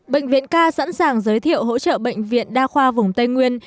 bệnh viện k sẵn sàng giới thiệu hỗ trợ bệnh viện đa khoa vùng tây nguyên